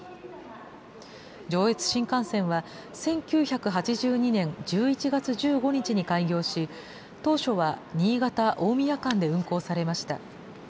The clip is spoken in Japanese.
上越新幹線は、１９８２年１１月１５日に開業し、当初は新潟・大宮間で運行されました。